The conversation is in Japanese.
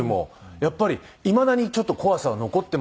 やっぱりいまだにちょっと怖さは残ってますけど。